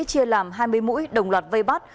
chia làm hai mươi mũi đồng loạt vây bát